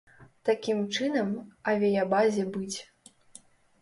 Такім чынам, авіябазе быць.